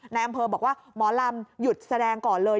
นายอำเภอบอกว่าหมอลำหยุดแสดงก่อนเลย